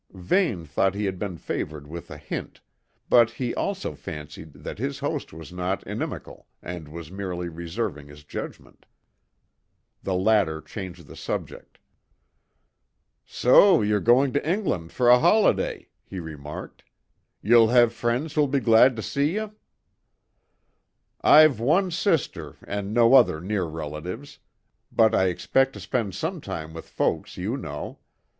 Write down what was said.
Vane thought he had been favoured with a hint, but he also fancied that his host was not inimical and was merely reserving his judgment. The latter changed the subject. "So ye're going to England for a holiday," he remarked. "Ye'll have friends who'll be glad to see ye?" "I've one sister and no other near relatives, but I expect to spend some time with folks you know.